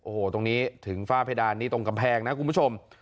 โอ้โหตรงนี้ถึงฝ้าเพดานนี้ตรงกำแพงนะคุณผู้ชม